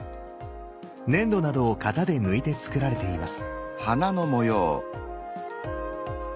粘土などを型で抜いて作られています。